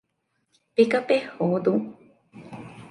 ޕިކަޕެއް ހޯދުން